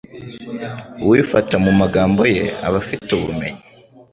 Uwifata mu magambo ye aba afite ubumenyi